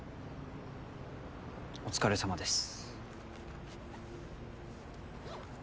お疲れさまです。